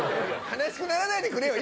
悲しくならないでくれよ